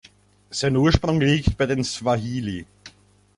Sein Ursprung liegt bei den Swahili.